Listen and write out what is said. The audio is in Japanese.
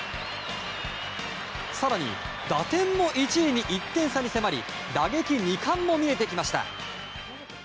更に打点も１位に１点差に迫り打撃２冠も見えてきました。